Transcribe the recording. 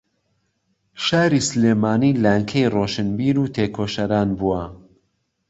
شاری سلێمانی لانکەی ڕۆشنبیر و تێکۆشەران بووە